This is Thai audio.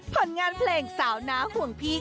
ผลงานเพลงสาวน้าห่วงพี่